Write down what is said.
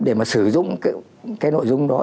để mà sử dụng cái nội dung đó